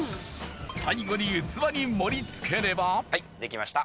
最後に器に盛り付ければはい出来ました。